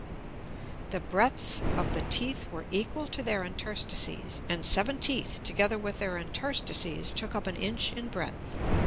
The Breadths of the Teeth were equal to their Interstices, and seven Teeth together with their Interstices took up an Inch in Breadth.